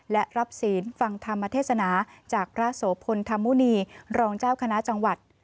และรับศีลฟังธรรมเทศนาจากพระโสพลธรรมมุณีรองเจ้าคณะจังหวัด